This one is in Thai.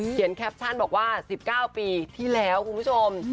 แคปชั่นบอกว่า๑๙ปีที่แล้วคุณผู้ชม